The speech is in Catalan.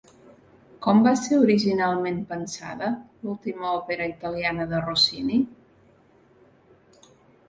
Com va ser originalment pensada l'última òpera italiana de Rossini?